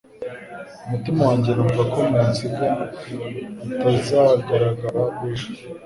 Umutima wanjye numva ko Musinga atazagaragara ejo